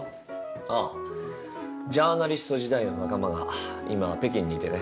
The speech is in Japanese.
ああジャーナリスト時代の仲間が今北京にいてね。